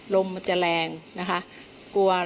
ลมมันจะแรงนะคะ